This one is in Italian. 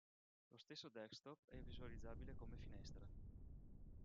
Lo stesso Desktop è visualizzabile come finestra.